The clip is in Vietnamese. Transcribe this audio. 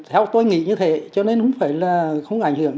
theo tôi nghĩ như thế cho nên không phải là không ảnh hưởng